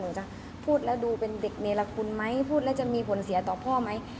หนูจะพูดแล้วดูเป็นเด็กเนรคุณไหมพูดแล้วจะมีผลเสียต่อพ่อไหม